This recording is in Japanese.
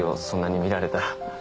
そんなに見られたら。